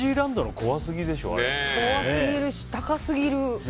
怖すぎるし、高すぎる。